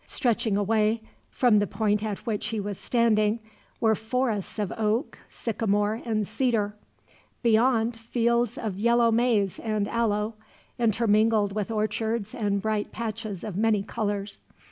Stretching away, from the point at which he was standing, were forests of oak, sycamore, and cedar; beyond, fields of yellow maize and aloe, intermingled with orchards and bright patches of many colors.